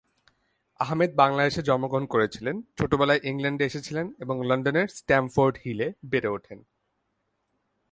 আহমেদ বাংলাদেশে জন্মগ্রহণ করেছিলেন, ছোটবেলায় ইংল্যান্ডে এসেছিলেন এবং লন্ডনের স্ট্যামফোর্ড হিলে বেড়ে ওঠেন।